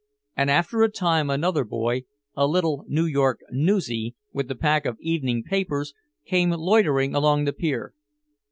And after a time another boy, a little New York "newsie," with a pack of evening papers, came loitering along the pier.